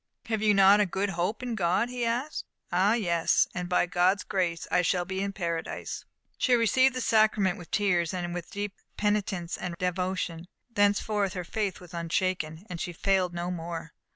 "Have you not a good hope in God?" he asked. "Ah, yes, and by God's grace, I shall be in Paradise." She received the sacrament with tears, and with deep penitence and devotion. Thenceforth her faith was unshaken, and she failed no more.